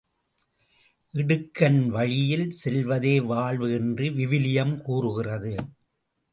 இடுக்கான வழியில் செல்வதே வாழ்வு என்று விவிலியம் கூறுகிறது.